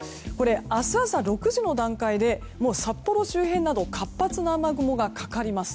明日朝６時の段階で札幌周辺には活発な雨雲がかかります。